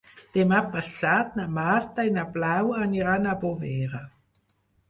Demà passat na Marta i na Blau aniran a Bovera.